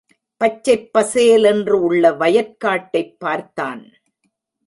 பச்சைப் பசேல் என்று உள்ள வயற்காட்டைப் பார்த்தான்.